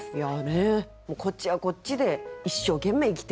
こっちはこっちで一生懸命生きている。